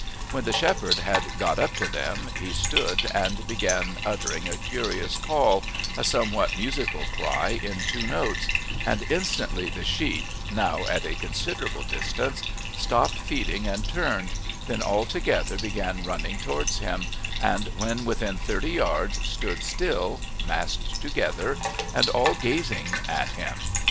When the shepherd had got up to them he stood and began uttering a curious call, a somewhat musical cry in two notes, and instantly the sheep, now at a considerable distance, stopped feeding and turned, then all together began running towards him, and when within thirty yards stood still, massed together, and all gazing at him.